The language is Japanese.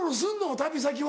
旅先は。